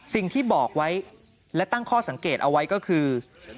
สิ่งที่บอกไว้และตั้งข้อสังเกตเอาไว้ก็คือ